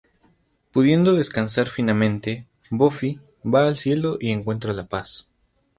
Pudiendo descansar finalmente, Buffy va al cielo y encuentra la paz.